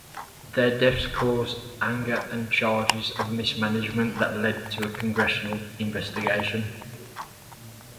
Their deaths caused anger and charges of mismanagement that led to a Congressional investigation.